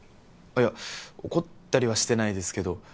あっいや怒ったりはしてないですけど